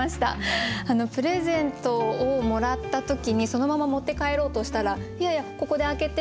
プレゼントをもらった時にそのまま持って帰ろうとしたら「いやいやここで開けて。